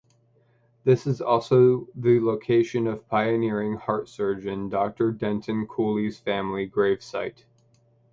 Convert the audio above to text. This is also the location of pioneering heart surgeon Doctor Denton Cooley's family gravesite.